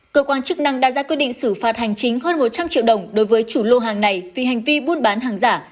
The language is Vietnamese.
cơ quan chức năng đã ra quyết định xử phạt hành chính hơn một trăm linh triệu đồng đối với chủ lô hàng này vì hành vi buôn bán hàng giả